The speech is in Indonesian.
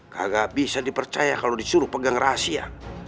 kagak bisa dipercaya kalau disuruh pegang rahasia